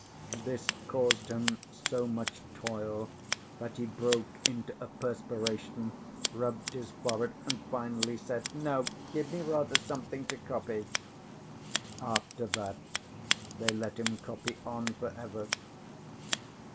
This caused him so much toil that he broke into a perspiration, rubbed his forehead, and finally said, "No, give me rather something to copy." After that they let him copy on forever.